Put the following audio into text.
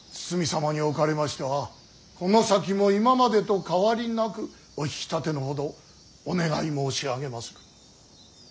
堤様におかれましてはこの先も今までと変わりなくお引き立てのほどお願い申し上げまする。